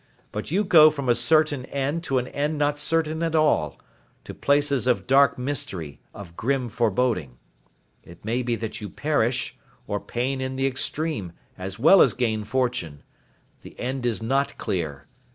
But you go from a certain end to an end not certain at all, to places of dark mystery, of grim foreboding. It may be that you perish, or pain in the extreme, as well as gain fortune. The end is not clear.